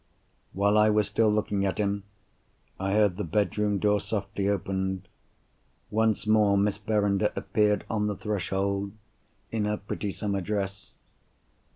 While I was still looking at him, I heard the bedroom door softly opened. Once more, Miss Verinder appeared on the threshold, in her pretty summer dress.